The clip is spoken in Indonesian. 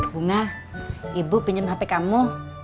bunga ibu pinjam hp kamu